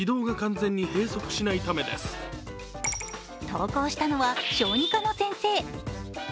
投稿したのは小児科の先生。